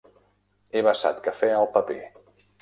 He vessat cafè al paper.